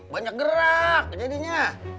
banyak gerak jadinya